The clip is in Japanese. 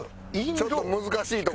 ちょっと難しい所。